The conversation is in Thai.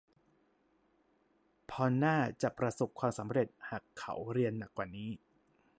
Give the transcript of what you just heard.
พอลน่าจะประสบความสำเร็จหากเขาเรียนหนักกว่านี้